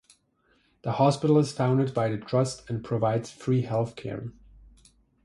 The hospital is funded by the trust and provides free healthcare.